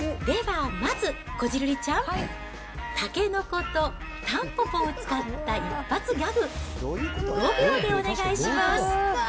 ではまずこじるりちゃん、タケノコとタンポポを使った一発ギャグ、５秒でお願いします。